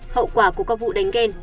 hậu quả của các vụ đánh ghen